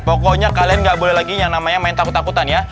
pokoknya kalian nggak boleh lagi yang namanya main takut takutan ya